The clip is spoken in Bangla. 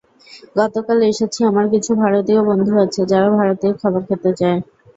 গতকাল এসেছি আমার কিছু ভারতীয় বন্ধু আছে যারা ভারতীয় খাবার খেতে চায়।